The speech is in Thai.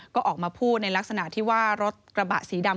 ก็ออกมาพูดในลักษณะที่ว่ารถกระบะสีดำ